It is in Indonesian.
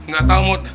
gak tau mudh